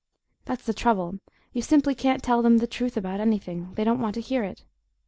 That's the trouble you simply can't tell them the truth about anything; they don't want to hear it.